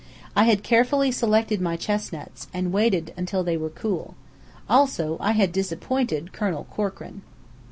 I had carefully selected my chestnuts and waited till they were cool. Also, I had disappointed Colonel Corkran.